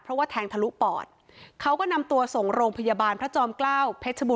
เพราะว่าแทงทะลุปอดเขาก็นำตัวส่งโรงพยาบาลพระจอมเกล้าเพชรบูร